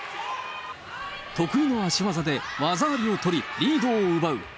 得意の足技で技ありを取り、リードを奪う。